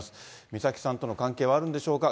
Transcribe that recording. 美咲さんとの関係はあるんでしょうか。